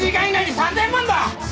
３０００万！？